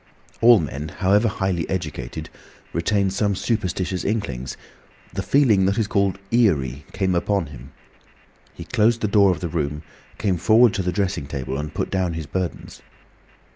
All men, however highly educated, retain some superstitious inklings. The feeling that is called "eerie" came upon him. He closed the door of the room, came forward to the dressing table, and put down his burdens.